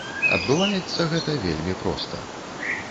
Адбываецца гэта вельмі проста.